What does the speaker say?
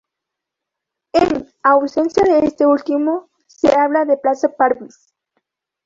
En ausencia de este último, se habla de plaza-parvis.